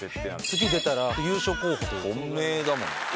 次出てたら優勝候補というか本命だもん